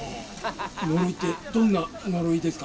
「呪いってどんな呪いですか？」。